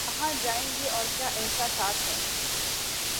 کہاں جائیں گی اور کیا احساسات ہیں